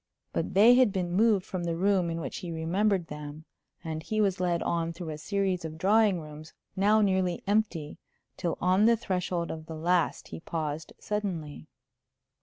But they had been moved from the room in which he remembered them, and he was led on through a series of drawing rooms, now nearly empty, till on the threshold of the last he paused suddenly.